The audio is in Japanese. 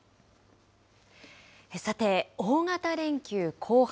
さて、大型連休後半。